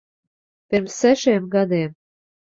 Pirms sešiem gadiem.